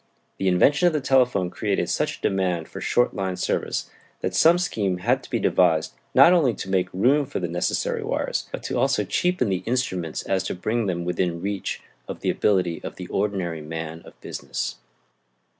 The invention of the telephone created such a demand for short line service that some scheme had to be devised not only to make room for the necessary wires, but to so cheapen the instruments as to bring them within reach of the ability of the ordinary man of business.